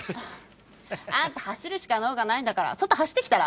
あんた、走るしか能がないんだから、外走ってきたら？